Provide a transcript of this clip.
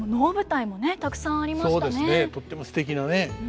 とってもすてきなね。